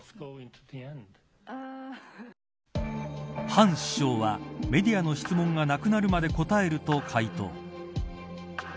ハン首相はメディアの質問がなくなるまで答えると回答。